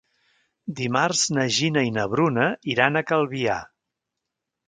Dimarts na Gina i na Bruna iran a Calvià.